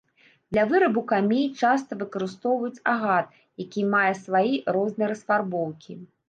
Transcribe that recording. Для вырабу камей часта выкарыстоўваюць агат, які мае слаі рознай расфарбоўкі.